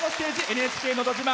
「ＮＨＫのど自慢」